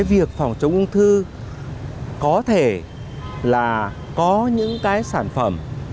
việc phòng chống ung thư có thể là có những cái sản phẩm